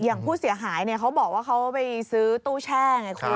อย่างผู้เสียหายเขาบอกว่าเขาไปซื้อตู้แช่ไงคุณ